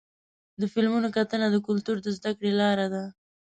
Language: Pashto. د فلمونو کتنه د کلتور د زدهکړې لاره ده.